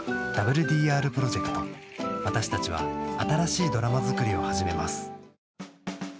「ＷＤＲプロジェクト」私たちは新しいドラマ作りを始めます。